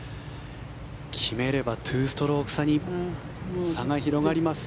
決めれば２ストローク差に差が広がります。